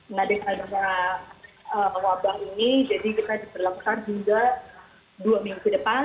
nah dekat wabah ini jadi kita berlengkar juga dua minggu depan